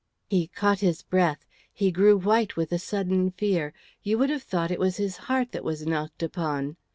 He caught his breath; he grew white with a sudden fear; you would have thought it was his heart that was knocked upon.